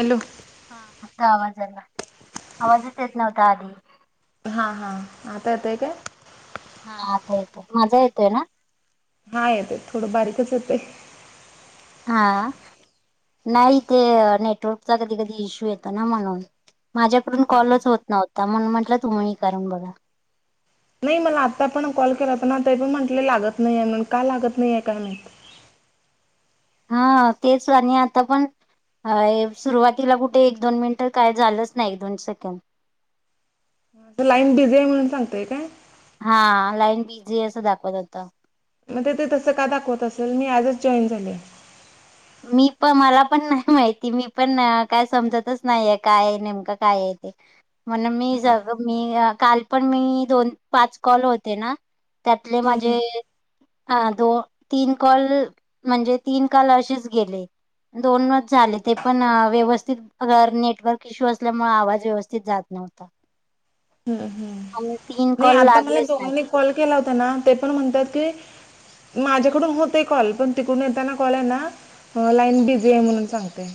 Hello. हा आता आवाज आला आवाजच येत नव्हता आधी. हा हा आता येतय काय. हा आता येतोय मजा येतोय ना. हा येते थोडं बारीकच येते. हा आ नाही ते नेटवर्कचा कधी कधी इश्यू येतो ना म्हणून. माझ्याकडून हा. कॉलच होत नव्हता म्हणून म्हटलं तुम्ही ही करून बघा. नाही मला आता पण कॉल केला पण आता पण म्हटले लागत नाहीे म्हणून का लागत नाहीे काय माहित. हा तेच आणि आता पण. अ सुरुवातीला कुठे एक दोन मिनिटं काय झालंच नाही दोन सेकंड. लाईन बिझी आहे म्हणून सांगतय काय. हा लाईन बिझी असं दाखवत होतं. मग ते तसं का दाखवत असेल मी आजच जॉईन झाले. मी पण मला पण नाही माहिती मी पण काय समजतच नाहीये काय नेमकं काय आहे ते. म्हण मी हम्म जाते काल पण मी दोन पाच कॉल होते ना. त्यातले हम्म माझे. हा दो तीन कॉल म्हणजे तीन कॉल असेच गेले. दोन मत झाले ते पण व्यवस्थित अ नेटवर्क इशू असल्यामुळे आवाज व्यवस्थित जात नव्हता. हम् हम् आणि तीन नाही कॉल आता मला लागलेच नाहीत दोघांनी कॉल केला होता ना ते पण म्हणतात की. माझ्याकडून होते कॉल पण तिकडून येताना कॉल आहे ना. हो लाईन बिझी आहे म्हणून सांगतेय.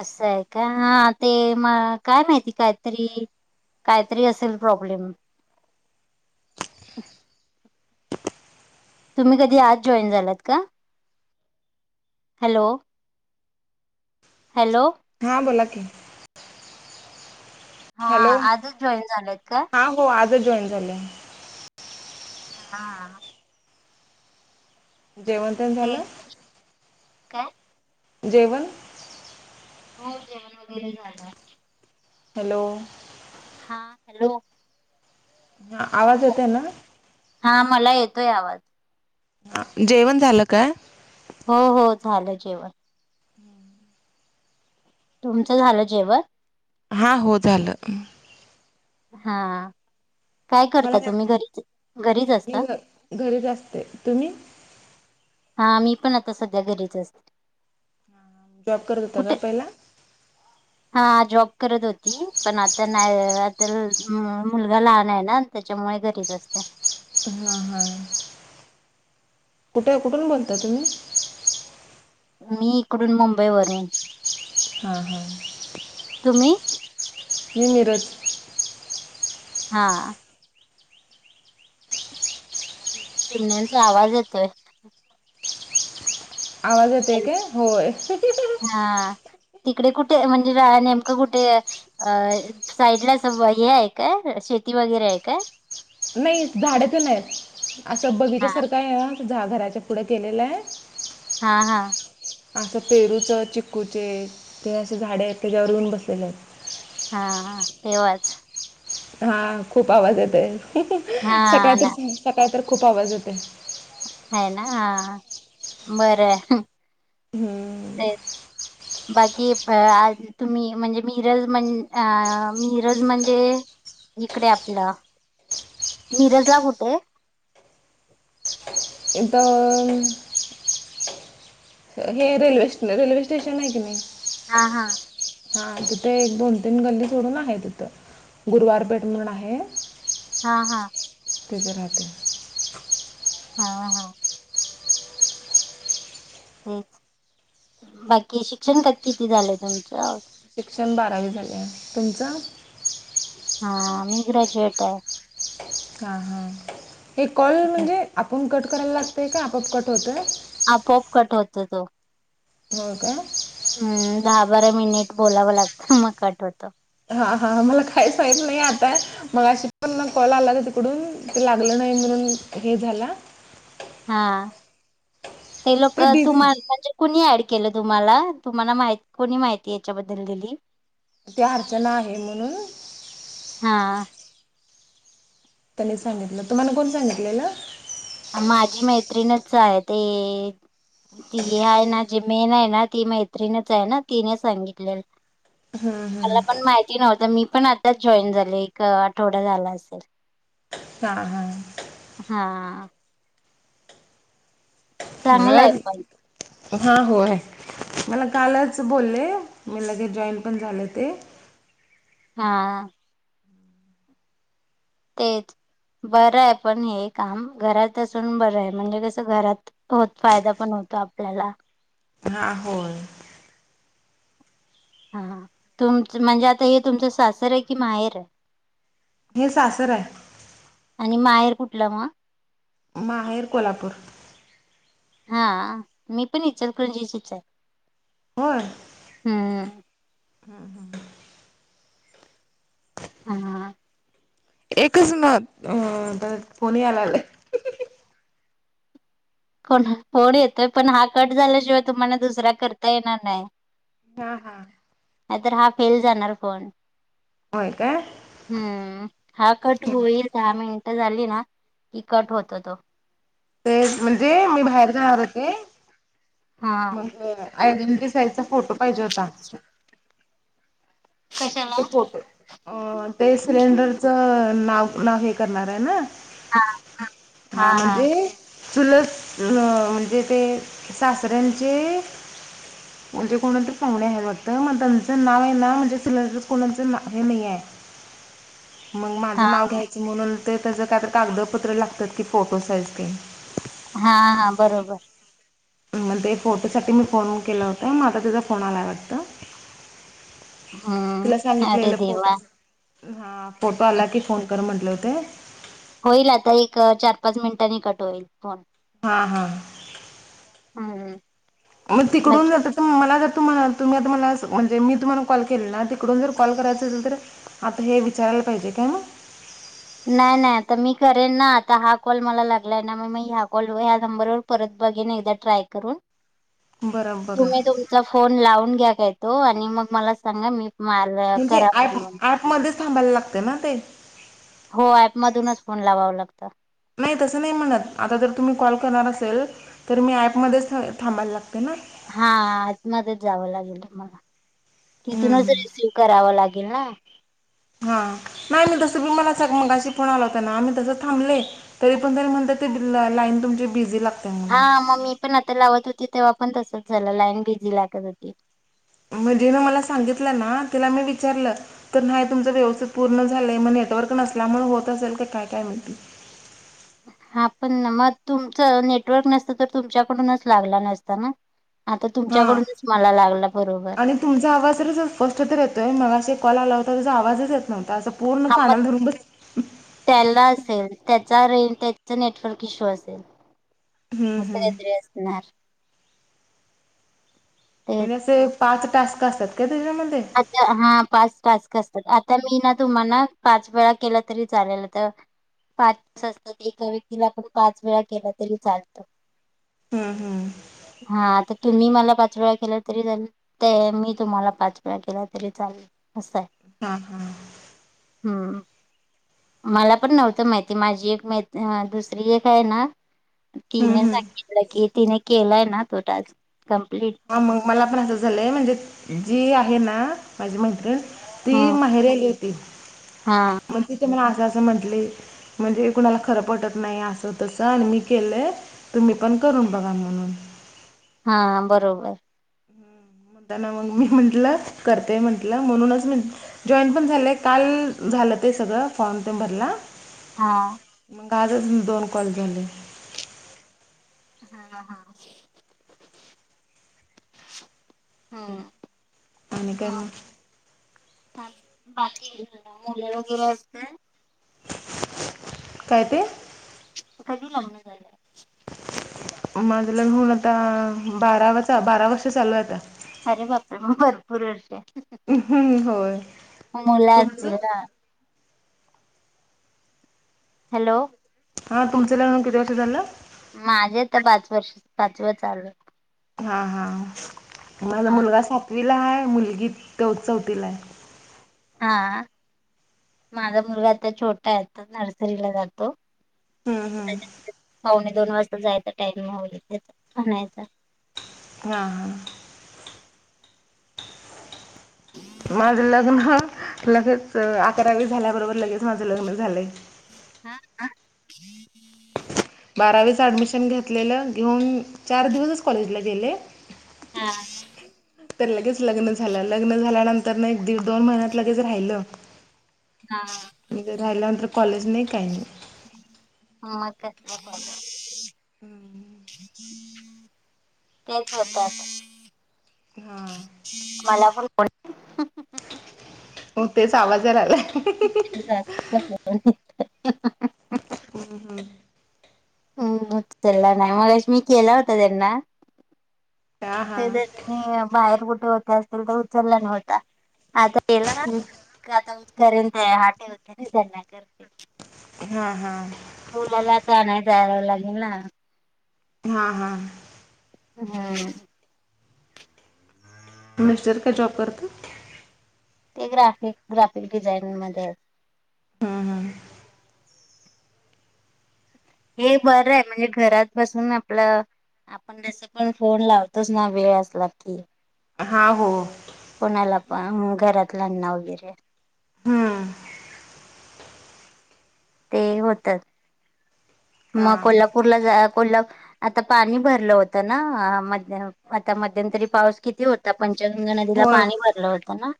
असं आहे का हा ते म काय माहिती काहीतरी. काहीतरी असेल प्रॉब्लेम. तुम्ही कधी आज जॉईन झालात का. Hello hello. हा बोला की. हा हॅलो आजच जॉईन झालेत का हा हो आजच जॉईन झाल्या. हा. जेवण तेन ते झालं. काय जेवण. हो जेवण वगैरे झालं. हॅलो. हा हॅलो. हा आवाज येतोय ना. हा मला येतोय आवाज. जेवंत झालं काय. हो हो झालं जेवण. तुमचं झालं जेवण. हा हो झालं. हा काय मला करता ह्यात तुम्ही घरीच घरीच मी असता घ घरीच असते तुम्ही हा मी पण आता सध्या घरीच असते. जॉब करत होता का कुठे पहिला हा जॉब करत होती पण आता नाही आता मुलगा लहान आहे ना. त्याच्यामुळे घरीच असते. हा हा कुठे कुठून बोलता तुम्ही मी इकडून मुंबई वरून हा हा तुम्ही? मी मिरज. हा. चिमण्याचा आवाज येतोय. आवाज येतोय काय होय. हा तिकडे कुठे म्हणजे नेमकं कुठे अ साईडला स हे आहे का शेती वगैरे आहे का? नाही झाड तेन आहे असं बगीच्या हा सारखं काय आहे तुझा घराच्या पुढं केलेलं आहे. हा हा असं पेरूच चिकूचे ते असे झाडे आहेत त्याच्यावर येऊन बसलेले आहेत. हा हा तेव्हाच हा खूप आवाज येतय हा सकाळ ना तर सकाळ तर खूप आवाज येते. हेना हा हा बरं हम्म ते बाकी आज तुम्ही म्हणजे मिरज म्हण अ मिरज म्हणजे इकडे आपलं मिरजला कुठे इथ हे रेल्वे रेल्वे स्टेशन आहे की नाही. हा हा हा तिथे एक दोन तीन गल्ली सोडून आहे तिथं गुरुवारपेठ म्हणून आहे. हा हा तिथं राहते. हा हा तेच बाकी शिक्षण का किती झालंय तुमचं शिक्षण बारावी झाले आहे तुमचं हा मी ग्रॅज्युएट आहे. हा हा हे कॉल म्हणजे आपण कट करायला लागतय का आपोआप कट होतोय. आपोआप कट होतो तो. हो का, हम्म दहा बारा मिनिट बोलावं लागतं मग कट होतो. हा हा मला काहीच माहत नाही आता मग अशी पण कॉल आला का तिकडून ते लागलं नाही म्हणून हे झाला. हा ते लोक तूमाला म्हणजे कुणी ऍड केलं तुम्हाला तुम्हाला माहि कोणी माहिती याच्याबद्दल दिली. ते अर्चना आहे म्हणून हा त्यांनी सांगितलं तुम्हाला कोण सांगितलेलं? माझी मैत्रिणच आहे ते ती हाय ना जी मेन हाय ना ती मैत्रीणीच हाय ना तिने सांगितलेल. हम्म मला हम्म पण माहिती नव्हत मी पण आताच जॉईन झाले. एक आठवडा झाला असेल. हा हा हा चांगलं आहे पण मग हा होय. मला कालच बोलले मी लगेचं जॉईन पण झाले ते हा तेच बरं य पण हे काम घरात असून बरंय म्हणजे कसं घरात तोत फायदा पण होतो आपल्याला हा होय. हा हा तुमच म्हणजे आता हे तुमचं सासर हाय की माहेर ये. हे सासर हाय. आणि माहेर कुठलं म माहेर कोल्हापूर. हा आ मी पण इचलकरंजीचीच हाय. होय. हम्म हम्म हम्म हा एकच म अ फोन या लागलाय. कोण फोन येतोय पण हा कट झाल्याशिवाय तुम्हाला दुसरा करता येणार नाय. हा हा नाय तर हा फेल जाणार फोन होय काय हम्म हा कट होईल दहा मिनटं झाली ना की कट होतो तो. तेच म्हणजे मी बाहेर जाणार होते. हा मंग आय डेन टिज त्यांचा फोटो पाहिजे होता. म कशाला ते फोटो अ ते सिलेंडरचं नाव नाव हे करणार ये ना. हा हा म्हणजे चुलत ल म्हणजे ते सासऱ्यांचे म्हणजे कोणातरी पाहुणे आहे वाटतं मग त्यांचं नाव येई ना म्हणजे तुलाज कोणाच नाव हे नाहीये मंग हा माझं नाव घ्याय ते म्हणून ते त्याचं काय तर कागदपत्र लागतात की फोटो साईज ते हा हा बरोबर. मला ते फोटोसाठी मी फोन केला होता म आता त्याचा फोन आलाय वाटतं. तिला हम्म अरे सांगितलेलं फोटो देवा घेऊन हा फोटो आला की फोन कर म्हंटले होते. होईल आता एक चार पाच मिनिटांनी कट होईल फोन. हा हा हम्म म मग तिकडून जाता त मला जर तुम्हाला तुम्ही आता मला असं म्हणजे मी तुम्हाला कॉल केलेला तिकडून जर कॉल करायचां असेल तर आता हे विचारायला पाहिजे काय म नाय नाय आता मी करेन ना आता हा कॉल मला लागलाय ना मग मी ह्या कॉल ह्या नंबरवर परत बघिन एकदा ट्राय करून [unintelligible] बघा तुम्ही तुमचा फोन लावून घ्या का येतो आणि मग मला सांगा मी माल फोन मंग मध्येच थांबायला लागते ना ते हो ऍपमधूनच फोन लावाव लागतं नाही तसं नाही म्हणत आता जर तुम्ही कॉल करणार असेल तर मी ऍपमध्येध्ये थांबायला लागते ना हा आत माधेच जावं लागेल मला हम्म, तिथूनच हम्म. रेसिव करावं लागेल ना हा नाही मी तसं बी मला सग मगाशी फोन आला होता ना तसं थांबले तरी पण तरी म्हणतात ती लाईन तुमची बिझी लागते हा म्हणून मग मी पण आता लावत होती तेव्हा पण तसच झालं लाईन बिझी लागत होती मजेन मला सांगितलं ना तिला मी विचारलं तर नाही तुमचं व्यवस्थित पूर्ण झालंय मग नेटवर्क नसलामुळे होत असेल का काय काय माहि हा पण मग तुमचं नेटवर्क नसतं तर तुमच्याकडूनच लागला नसता ना आता हां तुमच्याकडूनच मला लागला बरोबर आणि तुमचा आवाज तर असा स्पष्ट तर येतोय मगाशी एक कॉल आला होता त्याजा आवाजच येत नव्हता असं पूर्ण हा मग कानाले धरुन बसली त्याला असेल त्याचा रें त्याचा नेटवर्क इश्यू असेल हम्म असं हम्म काहीतरी असणार तेच म्हणजे असे पाच टास्क असतात का त्याच्यामध्ये हा पाच टास्क असतात आता मी ना तुम्हाला पाच वेळा केला तरी चालेल तर पाच असतात एका व्यक्तीला आपण पाच वेळा केला तरी चालतो हम्म हम् हा आता तुम्ही मला पाच वेळा केला तरी झाल ते मी तुम्हाला पाच केला तरी चालेल असय हा हम हम् मला पण नव्हतं माहिती माझी एक म दुसरी एक आहे ना हम्म तिने हम्म सांगितलं की तिने केलंय ना तो टास्क कंप्लीट ह मग मला पण असं झालंय म्हणजे जी आहे ना माझी मैत्रिण ती हम्म माहेरी गेलती हा तिथे मला असं असं म्हटले म्हणजे कुणाला खरं पटत नाही असं तसं आणि मी केलं तुम्ही पण करून बघा म्हणून हा बरोबर हम् ह म्हणता ना मग मी म्हंटलं करते म्हंटलं म्हणूनच जॉईट पण झालंय काल झालं ते सगळं फॉर्म ते भरला हा मग आजच दोन कॉलेजले हा हा आणि काय हम्म मग बाकी वगैरे अस काय तेे कजू लाम झा माझला होऊन आता बारावाचा बारा वर्ष चालू आहेता अरे बापे मग भरपूर वर्ष आहे होय मुलं तुमचं असतील ना हॅलो हा तुमच ला म्हणून किती वर्ष झालं माझे तर पाच वर्ष पाचव चाल हा हा माझा हा मुलगा सातवीला आहे मुलगी ते उत् चवतीीला आहे हा माझा मुलगा आता छोटा आहे नर्सरीला जातो. हम्म हम् होणे दोन वाजता जायचा टाईम त्या म्हणायच. हा हा माझं लग्न लगेच अ अकरावी झाल्याबरोबर लगेच माझं लग्न झालंय. हा का. बारावीच ऍडमिशन घेतलेलं घेऊन चार दिवसच कॉलेजला गेले हा. तर लगेच लग्न झालं लग्न झाल्यानंतर ना एक दीड दोन महिन्यात लगेच राहिलं हा मी जर राहिल्यानंतर कॉलेज नाही काही नाही. म काय तेच होत आता. हा. मला पण कोणी हो तेच आवाजरा आला. [unintelligible] हम्म हम्म हम्म. हम्म चला नाही मलाच मी केला होता त्यांना हा हा आणि बाहेर कुठे होत असतील तर उचलला नव्हता आता केला [unintelligible] हा हा. मुलाला तर आणाया जावं लागेल ना हा हा. हम्म. मिनिस्टर काय जॉब करतं? ते ग्राफिक ग्राफिक डिझाईनिगमध्ये येत. हम्म हम्म. हे बरं आहे म्हणजे घरात बसून आपलं आपण तस पण फोन लावतोच ना वेळ असला की हा हो. कोणाला पण घरातल्याना वगैरे. हम्म. ते होत हा मग कोल्हापूरला जा कोल्हा आता पाणी भरलं होतं ना मध्य आता मध्यंतरी पाऊस किती होत ता पंचगंगा नदीला होय पाणी भरलं होतं ना.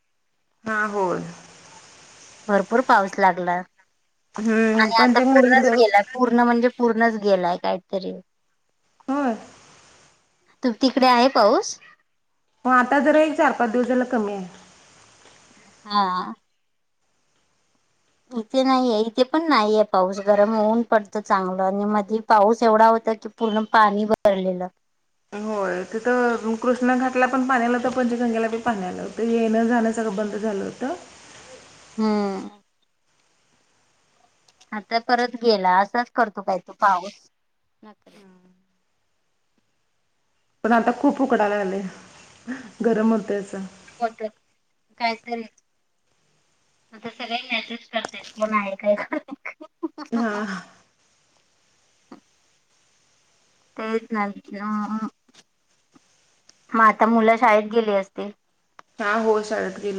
हा होय. भरपूर पाऊस लागला हम्म आणि आता पंचगंगेत पूर्णच गेला. पूर्ण म्हणजे पूर्णच गेलाय काहीतरी. होय. तू तिकडे आहे पाऊस हा आता जरा एक चार पाच दिवस झाल कमी आहे‌. हा. इथे नाहीये इथे पण नाहीये पाऊस गरम होऊन पडत चांगलं आणि मध्ये पाऊस एवढा होता की पूर्ण पाणी भरलेलं होय. तिथं कृष्णाघाटला पण पाणी आलं होत पंचगंगेला बी पाणी आलं होतं येणं जाणं सगळं बंद झालं होतं. हम्म. आता परत गेला असाच करतो काय तो पाऊस नखरे. पण आता खूप उकडायला लागले गरम होतेच मग कायतरीच आता सगळे मॅसेज करतेत कोण आहे काय हा. तेच ना हा हा मग आता मुलं शाळेत गेली असतील. हा हो शाळेत गेली.